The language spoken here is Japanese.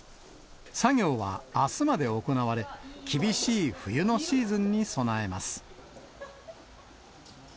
作業はあすまで行われ、厳しい冬のシーズンに備えます。